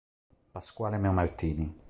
Pasquale Meomartini